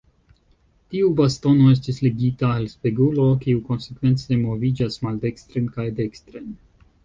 Tiu bastono estis ligita al spegulo, kiu konsekvence moviĝas maldekstren kaj dekstren.